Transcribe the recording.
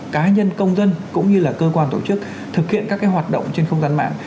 cá nhân công dân cũng như là cơ quan tổ chức thực hiện các hoạt động trên không gian mạng